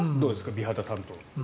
美肌担当。